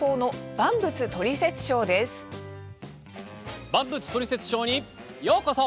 「万物トリセツショー」にようこそ！